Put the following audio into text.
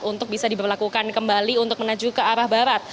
untuk bisa diberlakukan kembali untuk menuju ke arah barat